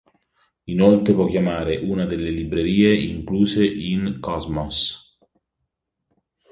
Inoltre può chiamare una delle librerie incluse in Cosmos.